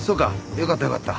よかったよかった。